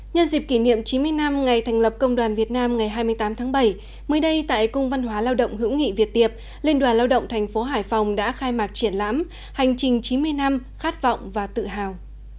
nhân dịp kỷ niệm chín mươi năm ngày thành lập công đoàn việt nam ngày hai mươi tám tháng bảy mới đây tại cung văn hóa lao động hữu nghị việt tiệp liên đoàn lao động thành phố hải phòng đã khai mạc triển lãm hành trình chín mươi năm khát vọng và tự hào